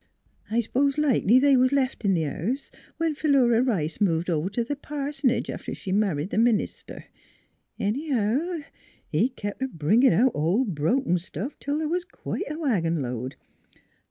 I s'pose likely they was left in th' house when Philura Rice moved over t' th' parsonage after she married the min ister. Anyhow, he kep' a bringin' out ol' broken stuff till th' was quite a wagon load.